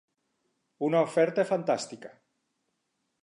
Una oferta fantàstica!